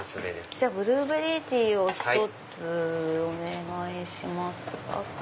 じゃあブルーベリーティーを１つお願いします。